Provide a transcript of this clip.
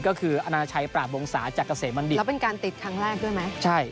ก็คืออนาชัยปราบวงศาจากเกษมบัณฑิตแล้วเป็นการติดครั้งแรกด้วยไหมใช่